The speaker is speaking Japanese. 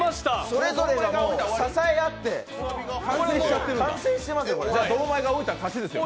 それぞれが支え合って完成していますよ。